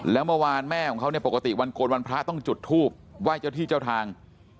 แล้วเมื่อวานแม่ของเขาเนี่ยปกติวันโกนวันพระต้องจุดทูบไหว้เจ้าที่เจ้าทาง